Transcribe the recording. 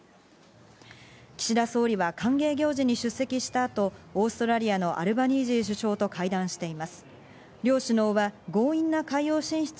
岸田総理は歓迎行事に出席した後、オーストラリアのアルバニージー首相と会談しています。